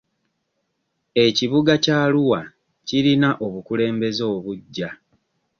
Ekibuga ky'Arua kirina obukulembeze obugya.